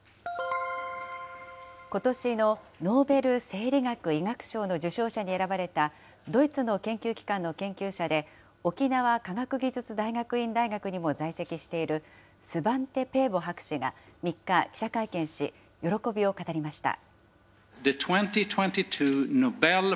ことしのノーベル生理学・医学賞の受賞者に選ばれた、ドイツの研究機関の研究者で、沖縄科学技術大学院大学にも在籍している、スバンテ・ペーボ博士が、３日、記者会見し、喜びを語りました。